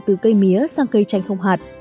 từ cây mía sang cây chanh không hạt